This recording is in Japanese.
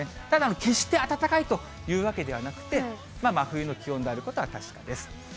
ただ、決して暖かいというわけではなくて、まあ、真冬の気温であることは確かです。